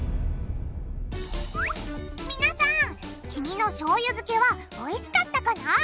皆さん黄身のしょうゆ漬けはおいしかったかな？